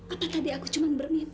apa tadi aku cuma bermimpi